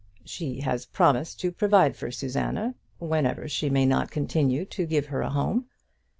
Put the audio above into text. "She has promised to provide for Susanna, whenever she may not continue to give her a home."